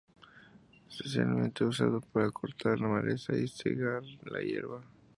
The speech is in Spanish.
Es especialmente usado para cortar maleza y segar hierba.